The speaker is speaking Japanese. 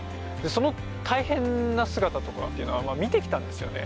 その大変な姿とかっていうのは見て来たんですよね。